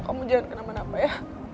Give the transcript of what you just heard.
kamu jangan kenapa napa ya